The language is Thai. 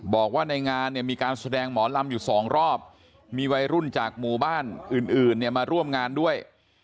บอกว่าในงานเนี่ยมีการแสดงหมอลำอยู่สองรอบมีวัยรุ่นจากหมู่บ้านอื่นเนี่ยมาร่วมงานด้วย